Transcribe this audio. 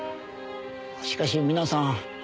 しかし皆さん